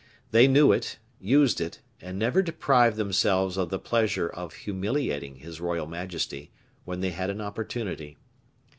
They knew it, used it, and never deprived themselves of the pleasure of humiliating his royal majesty when they had an opportunity.